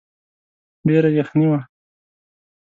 ډېره يخني وه.